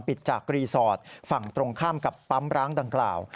ปิดจากรีสอร์ทฝั่งตรงข้ามกับปั๊มร้างดังกล่าว